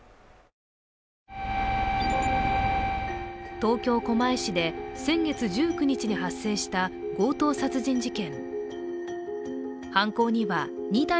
東京・狛江市で先月１９日に発生した強盗殺人事件。